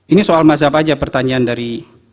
ini soal masyarakat saja pertanyaan dari